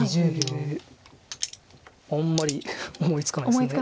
あんまり思いつかないです。